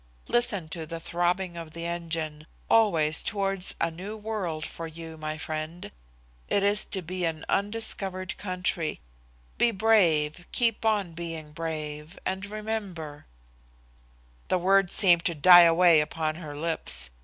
Listen to the throbbing of that engine, always towards a new world for you, my friend. It is to be an undiscovered country. Be brave, keep on being brave, and remember " The words seemed to die away upon her lips.